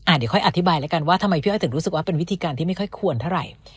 เดี๋ยวค่อยอธิบายแล้วกันว่าทำไมพี่อ้อยถึงรู้สึกว่าเป็นวิธีการที่ไม่ค่อยควรเท่าไหร่